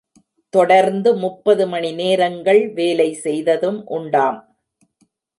தொடர்ந்து முப்பது மணி நேரங்கள் வேலை செய்ததும் உண்டாம்.